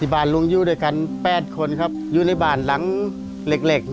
ผมอยู่ในบ้านหลังเหล็ก